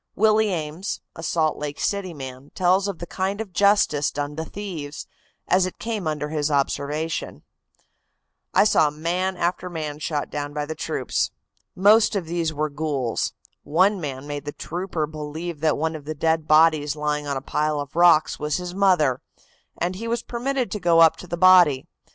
Willis Ames, a Salt Lake City man, tells of the kind of justice done to thieves, as it came under his observation: "I saw man after man shot down by the troops. Most of these were ghouls. One man made the trooper believe that one of the dead bodies lying on a pile of rocks was his mother, and he was permitted to go up to the body.